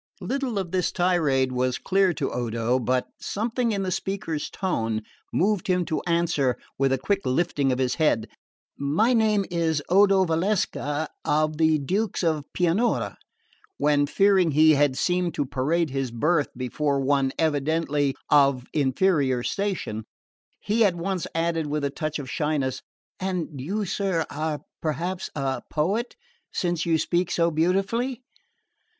Little of this tirade was clear to Odo; but something in the speaker's tone moved him to answer, with a quick lifting of his head: "My name is Odo Valsecca, of the Dukes of Pianura;" when, fearing he had seemed to parade his birth before one evidently of inferior station, he at once added with a touch of shyness: "And you, sir, are perhaps a poet, since you speak so beautifully?"